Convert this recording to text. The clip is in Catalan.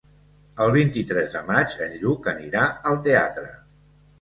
El vint-i-tres de maig en Lluc anirà al teatre.